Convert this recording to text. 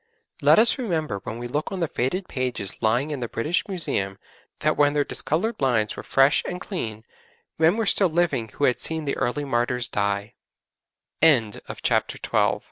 Let us remember when we look on the faded pages lying in the British Museum that when their discoloured lines were fresh and clean, men were still living who had seen th